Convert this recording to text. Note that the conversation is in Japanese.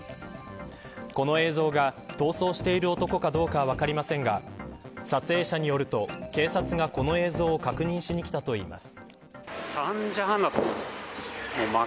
この映像が逃走している男かどうかは分かりませんが撮影者によると警察がこの映像を確認しに来たといいます。